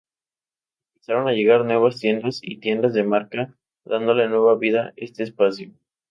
Empezaron a llegar nuevas tiendas y tiendas de marca dándole nueva vida este espacio.